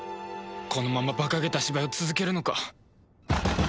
このままバカげた芝居を続けるのか？